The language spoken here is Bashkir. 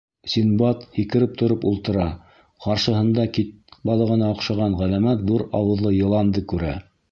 Синдбад һикереп тороп ултыра, ҡаршыһында кит балығына оҡшаған ғәләмәт ҙур ауыҙлы йыланды күрә.